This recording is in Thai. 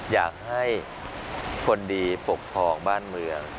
อยากให้คนดีปกครองบ้านเมือง